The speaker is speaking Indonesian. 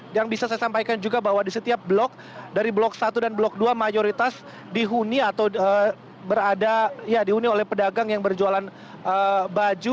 yang bisa saya sampaikan juga bahwa di setiap blok dari blok satu dan blok dua mayoritas dihuni atau berada ya dihuni oleh pedagang yang berjualan baju